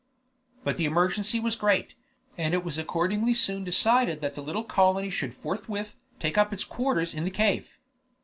But the emergency was great, and it was accordingly soon decided that the little colony should forthwith take up its quarters in the cave.